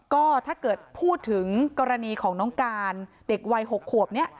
ก็ถ้าเกิดพูดถึงกรณีของน้องการเด็กวัย๖ขวบนี้